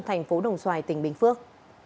thành phố đồng xoài tỉnh bình phước